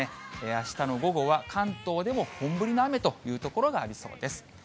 あしたの午後は関東でも本降りの雨という所がありそうです。